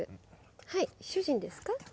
はい主人ですか？